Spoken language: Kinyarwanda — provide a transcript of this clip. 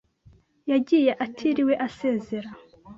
yagiye atiriwe asezera.